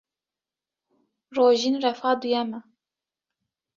Rojîn refa duyem e.